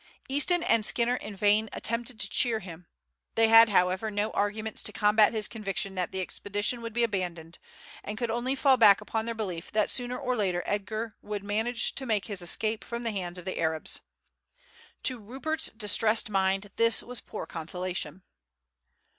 Easton and Skinner in vain attempted to cheer him. They had, however, no arguments to combat his conviction that the expedition would be abandoned, and could only fall back upon their belief that sooner or later Edgar would manage to make his escape from the hands of the Arabs. To Rupert's distressed mind this was poor consolation.